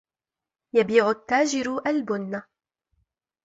يَبِيعُ التَّاجِرُ الْبُنَّ.